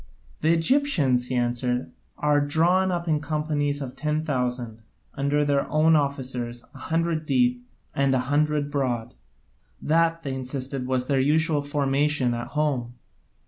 '" "The Egyptians," he answered, "are drawn up in companies of ten thousand, under their own officers, a hundred deep, and a hundred broad: that, they insisted, was their usual formation at home.